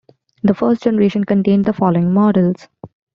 The first generation contained the following models.